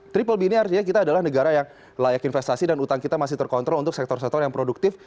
triple b ini artinya kita adalah negara yang layak investasi dan utang kita masih terkontrol untuk sektor sektor yang produktif